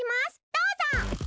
どうぞ！